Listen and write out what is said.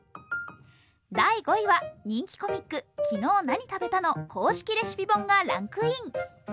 第５位は人気コミック「きのう何食べた？」の公式レシピ本がランクイン。